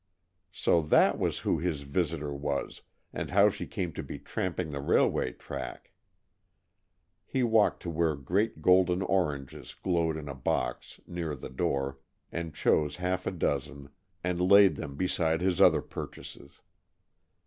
So that was who his visitor was, and how she came to be tramping the railway track! He walked to where great golden oranges glowed in a box, near the door, and chose half a dozen and laid them beside his other purchases.